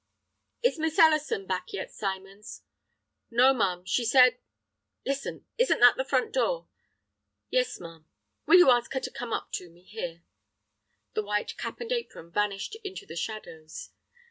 "Is Miss Ellison back yet, Symons?" "No, ma'am. She said—" "Listen! Isn't that the front door?" "Yes, ma'am." "Will you ask her to come to me here?" The white cap and apron vanished into the shadows.